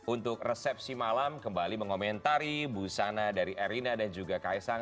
untuk resepsi malam kembali mengomentari busana dari erina dan juga kaisang